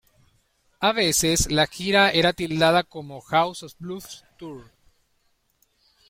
A veces la gira era tildada como "House of Blues Tour".